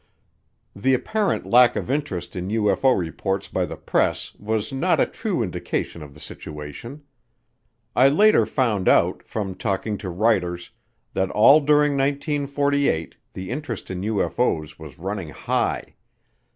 The apparent lack of interest in UFO reports by the press was not a true indication of the situation. I later found out, from talking to writers, that all during 1948 the interest in UFO's was running high.